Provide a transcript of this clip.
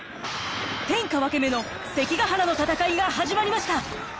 天下分け目の関ヶ原の戦いが始まりました。